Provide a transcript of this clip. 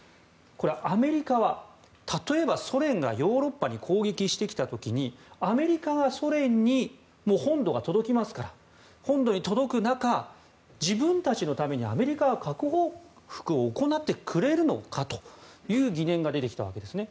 アメリカは例えば、ソ連がヨーロッパに攻撃してきた時にアメリカはソ連に本土に届きますから本土に届く中自分たちのためにアメリカは核報復を行ってくれるのかという疑念が出てきたわけですね。